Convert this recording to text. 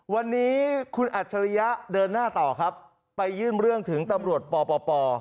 วันนี้คุณอัจฉริยะเดินหน้าต่อครับไปยื่นเรื่องถึงตำรวจปป